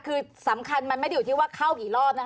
คือสำคัญมันไม่ได้อยู่ที่ว่าเข้ากี่รอบนะคะ